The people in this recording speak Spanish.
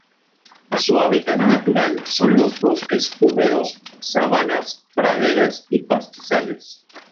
Su hábitat natural son los bosque húmedos, sabanas, praderas y pastizales.